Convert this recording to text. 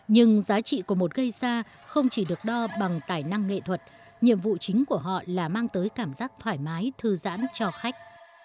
nhưng giá trị của một gây xa không chỉ được đo bằng tài năng nghệ thuật nhiệm vụ chính của họ là mang tới cảm giác thoải mái thư giãn cho khách